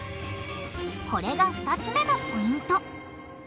これが２つ目のポイント。